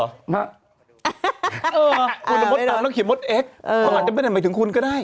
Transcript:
คุณนางธัญญาต้องขีบมดเอ็กซ์เพราะอาจจะไม่ได้ประมาทถึงคุณก็ได้